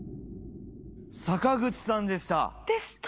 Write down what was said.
坂口さんでした。